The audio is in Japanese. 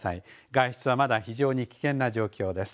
外出はまだ非常に危険な状況です。